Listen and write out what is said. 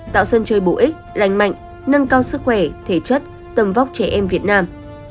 tạo sân chơi bổ ích lành mạnh nâng cao sức khỏe thể chất tầm vóc trẻ em việt nam